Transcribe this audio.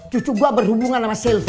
cucu gue berhubungan sama sylvi